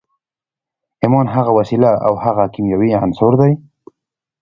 ايمان هغه وسيله او هغه کيمياوي عنصر دی.